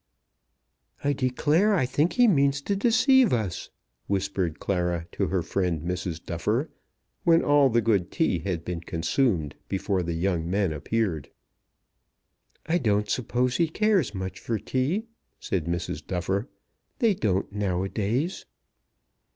"I declare I think he means to deceive us," whispered Clara to her friend, Mrs. Duffer, when all the good tea had been consumed before the young man appeared. "I don't suppose he cares much for tea," said Mrs. Duffer; "they don't now a days."